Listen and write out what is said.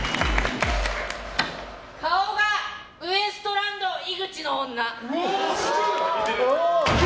顔がウエストランド井口の女！